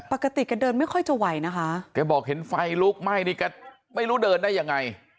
แกเดินไม่ค่อยจะไหวนะคะแกบอกเห็นไฟลุกไหม้นี่แกไม่รู้เดินได้ยังไง